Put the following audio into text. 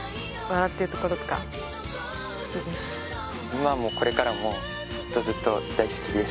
今もこれからもずっとずっと大好きです